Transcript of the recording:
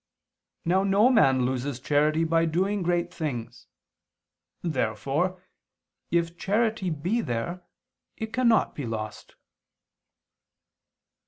Now no man loses charity by doing great things. Therefore if charity be there, it cannot be lost.